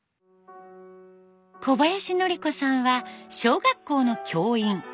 小林典子さんは小学校の教員。